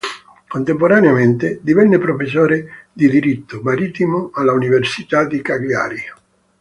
Contemporaneamente divenne professore di Diritto marittimo all'università di Cagliari.